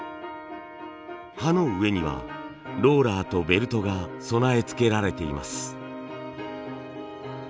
刃の上にはローラーとベルトが備え付けられています。